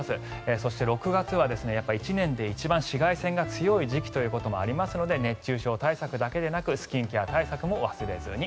そして、６月は１年で一番紫外線が強い時期ということもありますので熱中症対策だけでなくスキンケア対策も忘れずに。